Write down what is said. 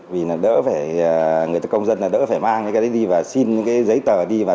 vì người công dân đỡ phải mang những cái đấy đi và xin giấy tờ đi